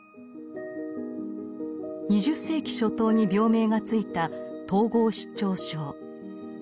２０世紀初頭に病名が付いた統合失調症。